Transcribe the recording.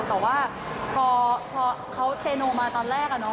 แต่ว่าพอเขาเซโนมาตอนแรก